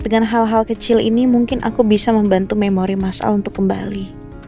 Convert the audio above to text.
dengan hal hal kecil ini mungkin aku bisa membantu memori mas a untuk kembali